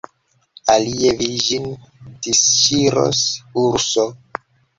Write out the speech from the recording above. Alie vi ĝin disŝiros, urso!